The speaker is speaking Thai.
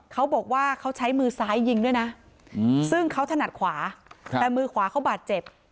เขาบอกว่าเขาใช้มือซ้ายยิงด้วยนะซึ่งเขาถนัดขวาแต่มือขวาเขาบาดเจ็บ